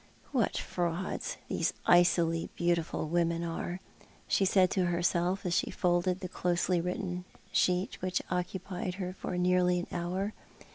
" What frauds these icily beautiful women are," she said to herself, as she folded the closely written sheet which had occu pied her for nearly an hour.